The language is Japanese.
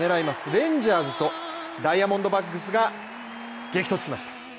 レンジャーズとダイヤモンドバックスが激怒対馬した。